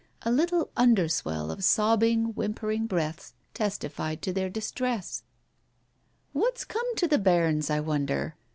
A little underswell of sobbing, whimpering breaths testified to their distress. "What's come to the bairns, I wonder?"